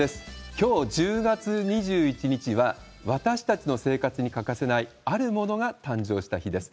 きょう１０月２１日は、私たちの生活に欠かせない、あるものが誕生した日です。